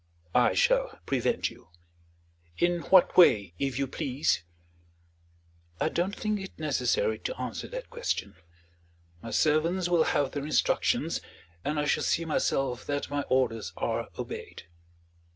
"I shall prevent you." "In what way, if you please?" "I don't think it necessary to answer that question. My servants will have their instructions; and I shall see myself that my orders are obeyed."